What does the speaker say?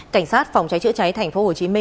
cảnh sát phòng cháy chữa cháy tp hcm